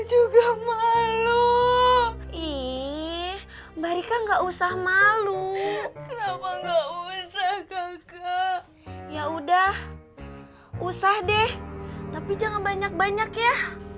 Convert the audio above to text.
juga malu ih mbak rika nggak usah malu ya udah usah deh tapi jangan banyak banyak ya